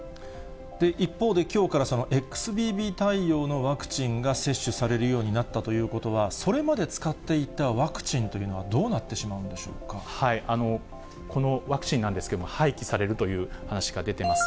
一方できょうからそのＸＢＢ．対応のワクチンが接種されるようになったということは、それまで使っていたワクチンというのは、このワクチンなんですけれども、廃棄されるという話が出てます。